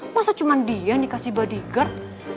masa cuma dia yang dikasih bodyguard